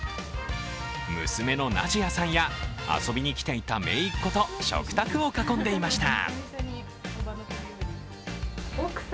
娘のナジアさんや遊びに来ていためいっ子と食卓を囲んでいました。